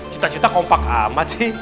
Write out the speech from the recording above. cita cita kompak amat sih